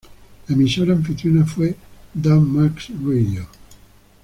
La emisora anfitriona fue Danmarks Radio.